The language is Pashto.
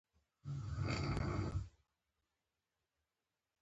زه د خپلي کورنۍ ملاتړ کوم.